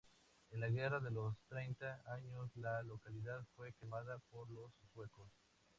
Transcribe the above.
En la Guerra de los Treinta Años la localidad fue quemada por los suecos.